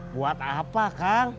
buat apa kar